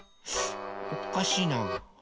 おかしいな。